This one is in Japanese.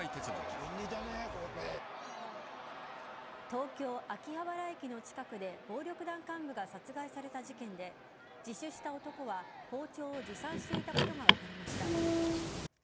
東京・秋葉原駅の近くで暴力団幹部が殺害された事件で自首した男は包丁を持参していたことが分かりました。